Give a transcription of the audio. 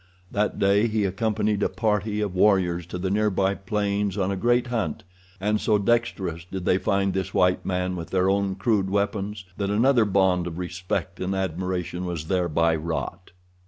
That day he accompanied a party of warriors to the nearby plains on a great hunt, and so dexterous did they find this white man with their own crude weapons that another bond of respect and admiration was thereby wrought.